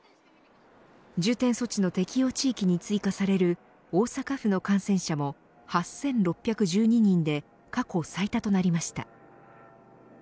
重点措置の適用地域に追加される大阪府の感染者も８６１２人で過去最多となりました。